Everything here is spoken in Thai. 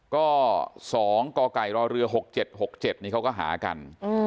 ก็๒กกรเรือ๖๗๖๗นี่เขาก็หากัน